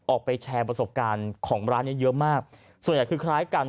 ออกไปแชร์ประสบการณ์ของร้านนี้เยอะมากส่วนใหญ่คือคล้ายกัน